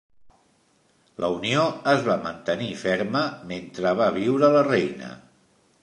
La unió es va mantenir ferma mentre va viure la reina.